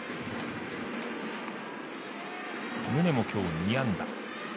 宗も今日、２安打。